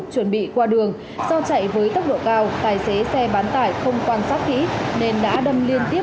chuẩn bị qua đường do chạy với tốc độ cao tài xế xe bán tải không quan sát kỹ